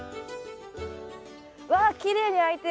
わきれいにあいてる。